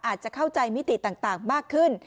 อาจจะเข้าใจมิติต่างมากขึ้น